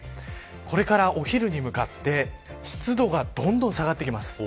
これからお昼に向かって湿度がどんどん下がってきます。